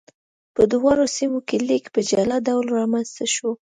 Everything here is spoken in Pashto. په دواړو سیمو کې لیک په جلا ډول رامنځته شو.